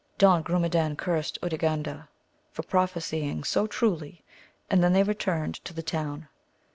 Don Grumedan cursed Urganda for prophesying so truly, and then they returned to the town.